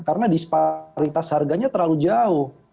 karena disparitas harganya terlalu jauh